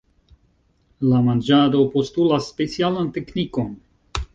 La manĝado postulas specialan teknikon.